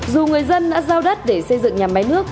dù người dân đã giao đất để xây dựng nhà máy nước